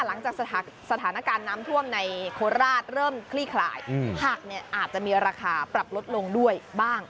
หลังจากสถานการณ์น้ำท่วมในโคราชเริ่มคลี่คลายผักเนี่ยอาจจะมีราคาปรับลดลงด้วยบ้าง